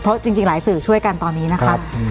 เพราะจริงหลายสื่อช่วยกันตอนนี้นะครับ